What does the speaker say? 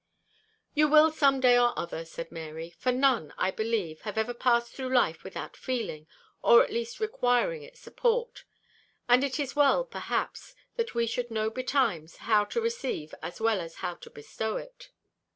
"You will some day or other," said Mary; "for none, I believe, have ever passed through life without feeling, or at least requiring its support; and it is well, perhaps, that we should know betimes how to receive as well as how to bestow it."